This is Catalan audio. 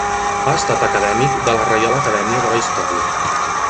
Ha estat acadèmic de la Reial Acadèmia de la Història.